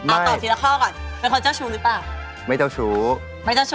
เอาตอบทีละข้อก่อนเป็นคนเจ้าชู้หรือเปล่า